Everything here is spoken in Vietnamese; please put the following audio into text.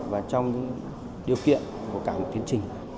và trong điều kiện của cả một tiến trình